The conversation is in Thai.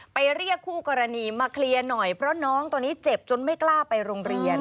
เรียกคู่กรณีมาเคลียร์หน่อยเพราะน้องตอนนี้เจ็บจนไม่กล้าไปโรงเรียน